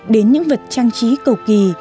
đến những vật trang trí cầu kỳ